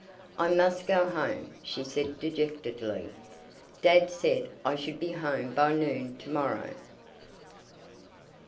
"I must go home," she said dejectedly. "Dad said I should be home by noon to morrow."